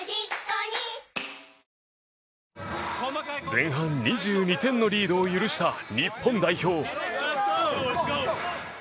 前半２２点のリードを許した日本代表。